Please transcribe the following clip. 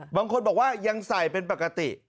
บางคนบอกว่ายังใส่เป็นปกติ